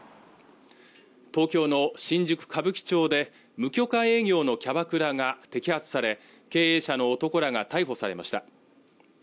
東京の新宿歌舞伎町で無許可営業のキャバクラが摘発され経営者の男らが逮捕されました